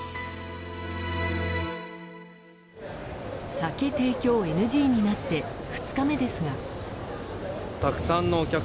酒提供ＮＧになって２日目ですが。